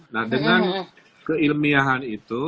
nah dengan keilmiahan itu